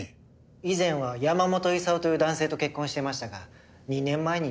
以前は山本功という男性と結婚していましたが２年前に離婚して。